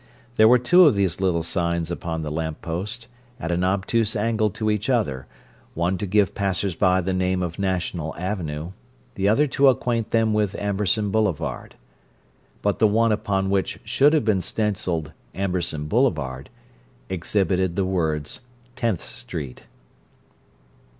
There were two of these little signs upon the lamp post, at an obtuse angle to each other, one to give passers by the name of National Avenue, the other to acquaint them with Amberson Boulevard. But the one upon which should have been stenciled "Amberson Boulevard" exhibited the words "Tenth Street."